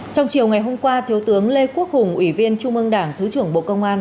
trong chiều ngày hôm qua thiếu tướng lê quốc hùng ủy viên trung ương đảng thứ trưởng bộ công an